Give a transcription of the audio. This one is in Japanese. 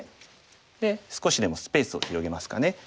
で少しでもスペースを広げますかね。